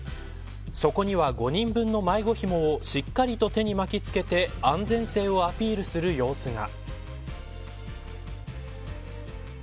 そこには５人分の迷子ひもをしっかりと手に巻きつけて安全性をアピールする様子が。